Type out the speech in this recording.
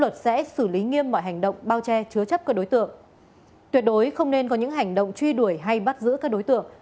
tuyệt đối không nên có những hành động truy đuổi hay bắt giữ các đối tượng